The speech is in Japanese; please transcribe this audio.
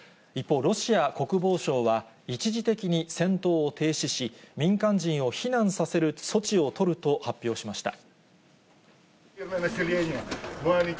一方、ロシア国防省は、一時的に戦闘を停止し、民間人を避難させる措置を取ると発表しました。